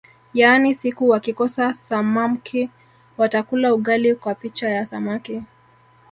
Yaani siku wakikosa samamki watakula ugali kwa picha ya samaki